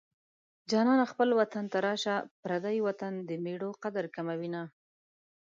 جانانه خپل وطن ته راشه پردی وطن د مېړو قدر کموينه